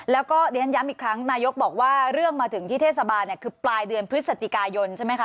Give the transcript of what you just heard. แล้วก็เรียนย้ำอีกครั้งนายกบอกว่าเรื่องมาถึงที่เทศบาลคือปลายเดือนพฤศจิกายนใช่ไหมคะ